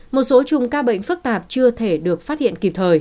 một số chùm ca bệnh phức tạp chưa thể được phát hiện